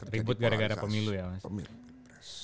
ribut gara gara pemilu ya mas